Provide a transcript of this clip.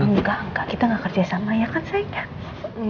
enggak enggak kita gak kerja sama ya kan sayang